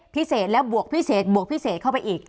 พิเศษแล้วบวกพิเศษบวกพิเศษเข้าไปอีก